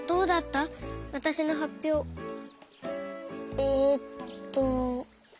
えっと。